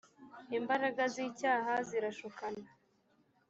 imbaraga z’icyaha zirashukana